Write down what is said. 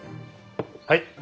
はい。